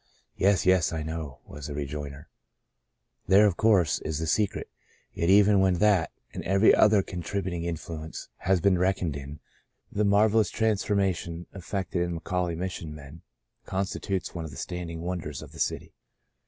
"Yes, yes — I know," was the rejoinder. There, of course, is the secret. Yet even when that, and every other contributing in 164 The Lifted Bondage 165 fluence, has been reckoned in, the marvellous transformation effected in McAuley Mission men constitutes one of the standing wonders of the city."